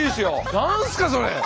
何すかそれ。